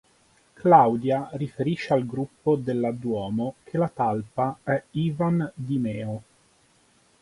Claudia riferisce al gruppo della Duomo che la talpa è Ivan Di Meo.